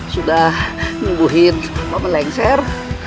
sudah nungguin apa melengser